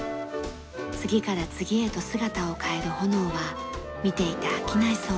次から次へと姿を変える炎は見ていて飽きないそうです。